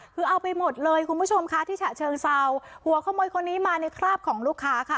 คือเอาไปหมดเลยคุณผู้ชมค่ะที่ฉะเชิงเซาหัวขโมยคนนี้มาในคราบของลูกค้าค่ะ